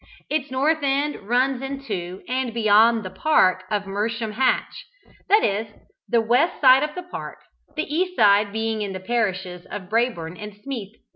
Its north end runs into and beyond the park of Mersham Hatch that is, the west side of the park, the east side being in the parishes of Brabourne and Smeeth.